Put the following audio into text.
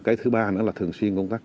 khi có sự cố xảy ra